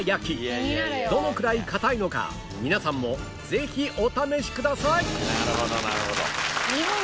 どのくらい硬いのか皆さんもぜひお試しください！